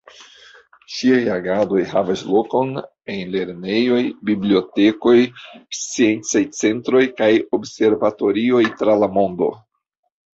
Ŝiaj agadoj havas lokon en lernejoj, bibliotekoj, sciencaj centroj kaj observatorioj tra la mondo.